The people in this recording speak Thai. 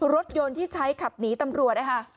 รถยนต์ที่ใช้ขับหนีตำรวจนะคะ